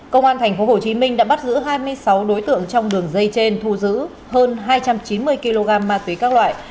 công an tp hcm đã bắt giữ hai mươi sáu đối tượng trong đường dây trên thu giữ hơn hai trăm chín mươi kg ma túy các loại